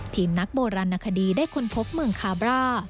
ทีมนักโบราณนคดีได้ค้นพบเมืองคาบร่า